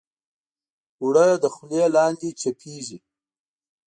اوړه د خولې لاندې چپېږي